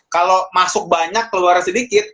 kalau masuk banyak keluar sedikit